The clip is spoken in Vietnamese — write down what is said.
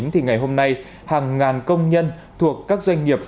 thì ngày hôm nay hàng ngàn công nhân thuộc các doanh nghiệp